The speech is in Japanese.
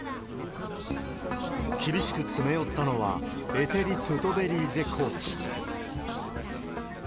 厳しく詰め寄ったのは、エテリ・トゥトベリーゼコーチ。